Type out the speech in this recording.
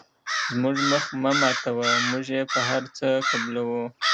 زموږ مخ مه ماتوه موږ یې په هر څه قبلوو.